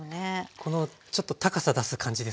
このちょっと高さ出す感じですかね。